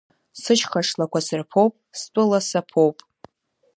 Сышьха шлақәа сырԥоуп, стәыла саԥоуп.